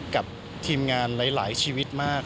กับทีมงานหลายชีวิตมาก